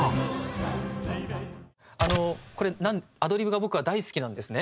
あのアドリブが僕は大好きなんですね。